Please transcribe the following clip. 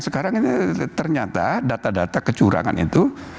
sekarang ini ternyata data data kecurangan itu